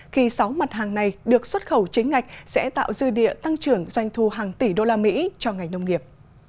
khi sáu mặt hàng này được xuất khẩu chính ngạch sẽ tạo dư địa tăng trưởng doanh thu hàng tỷ đô la mỹ cho ngành nông nghiệp